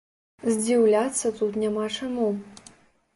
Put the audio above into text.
Здзіўляцца тут няма чаму.